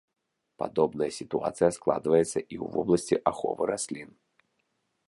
Падобная сітуацыя складваецца і ў вобласці аховы раслін.